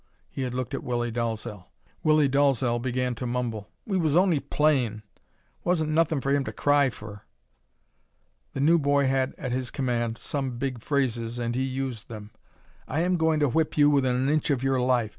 He had looked at Willie Dalzel. Willie Dalzel began to mumble: "We was on'y playin'. Wasn't nothin' fer him to cry fer." The new boy had at his command some big phrases, and he used them. "I am goin' to whip you within an inch of your life.